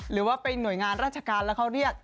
หรือว่าเป็นหน่วยงานราชการแล้วเขาเรียก